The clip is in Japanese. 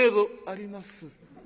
「あります。